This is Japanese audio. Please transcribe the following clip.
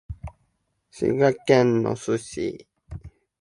滋賀県野洲市